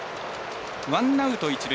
ワンアウト、一塁。